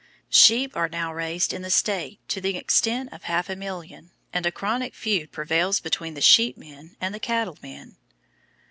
Sheep are now raised in the State to the extent of half a million, and a chronic feud prevails between the "sheep men" and the "cattle men."